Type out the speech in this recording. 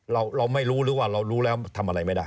เราไม่รู้หรือว่าเรารู้แล้วทำอะไรไม่ได้